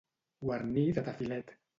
Guarnir de tafilet.